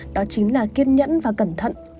đó chính là kiên nhẫn và cẩn thận